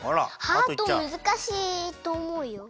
ハートむずかしいとおもうよ。